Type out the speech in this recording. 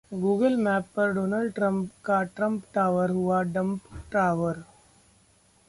Google map पर Donald Trump का Trump tower हुआ डंप टावर